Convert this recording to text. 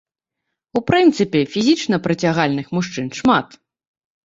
У прынцыпе, фізічна прыцягальных мужчын шмат.